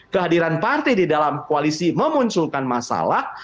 kehadiran partai di dalam koalisi memunculkan masalah